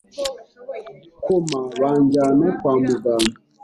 koma banjyana kwa muganga